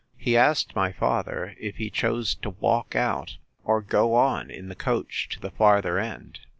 He asked my father, If he chose to walk out, or go on in the coach to the farther end?